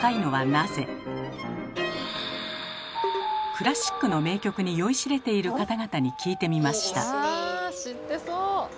クラシックの名曲に酔いしれている方々に聞いてみました。